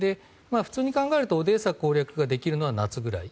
普通に考えるとオデーサ攻略ができるのは夏ぐらい。